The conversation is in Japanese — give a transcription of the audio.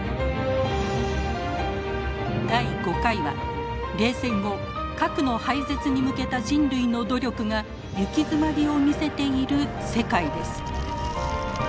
第５回は冷戦後核の廃絶に向けた人類の努力が行き詰まりを見せている世界です。